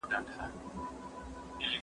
ماما مه گوره، پوستين ئې گوره.